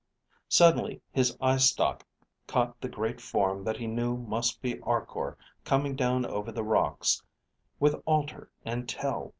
Suddenly his eye stalk caught the great form that he knew must be Arkor coming down over the rocks (with Alter and Tel.